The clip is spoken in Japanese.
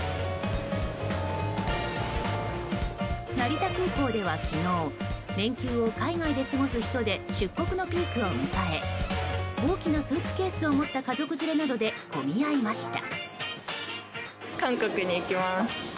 成田空港では昨日連休を海外で過ごす人で出国のピークを迎え大きなスーツケースを持った家族連れなどで混み合いました。